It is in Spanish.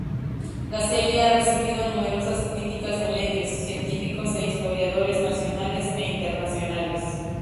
La serie ha recibido numerosas críticas de medios, científicos e historiadores nacionales e internacionales.